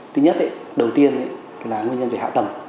thứ nhất đầu tiên là nguyên nhân về hạ tầng